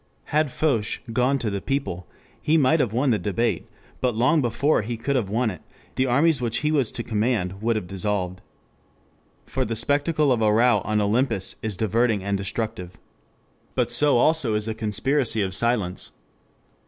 Had Foch "gone to the people" he might have won the debate, but long before he could have won it, the armies which he was to command would have dissolved. For the spectacle of a row on Olympus is diverting and destructive. But so also is a conspiracy of silence.